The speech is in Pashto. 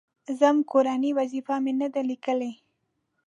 _ځم، کورنۍ وظيفه مې نه ده ليکلې.